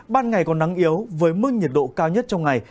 ban ngày có nắng yếu với mức nhiệt độ cao nhất trong ngày